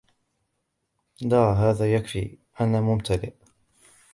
لا, هذا يكفي. أنا ممتلئ.